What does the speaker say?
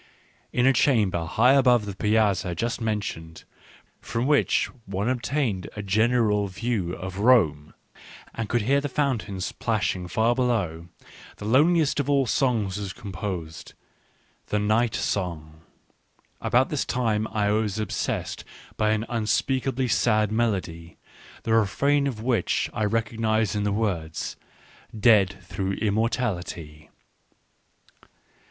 In a chamber high above the Piazza just mentioned, from which one obtained a general view of Rome, and could hear the fountains plashing far below, the loneliest of all songs was composed — "The Night Song." About this time I was obsessed by an un speakably sad melody ^ the refrain of which I recognised in the affords, " dead through immor tality